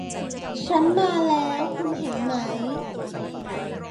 ฉันมาแล้ว คุณเห็นไหม